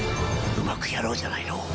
うまくやろうじゃないの。